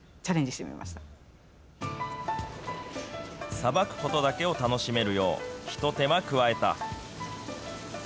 さばくことだけを楽しめるよう、一手間加えた。